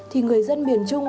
thì người dân miền trung